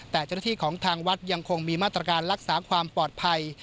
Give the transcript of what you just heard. แต่เจ้าหน้าที่ของทางวัดยังคงมีมาตรการรักษาความปลอดภัย